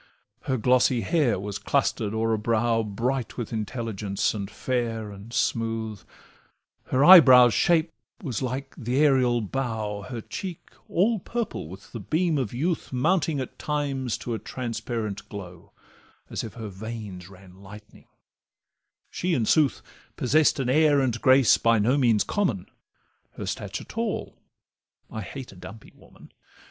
Her glossy hair was cluster'd o'er a brow Bright with intelligence, and fair, and smooth; Her eyebrow's shape was like th' aerial bow, Her cheek all purple with the beam of youth, Mounting at times to a transparent glow, As if her veins ran lightning; she, in sooth, Possess'd an air and grace by no means common: Her stature tall—I hate a dumpy woman.